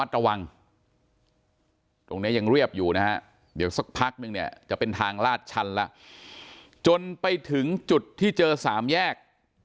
ระวังตรงนี้ยังเรียบอยู่นะฮะเดี๋ยวสักพักนึงเนี่ยจะเป็นทางลาดชันแล้วจนไปถึงจุดที่เจอสามแยก